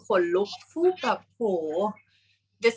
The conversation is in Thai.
กากตัวทำอะไรบ้างอยู่ตรงนี้คนเดียว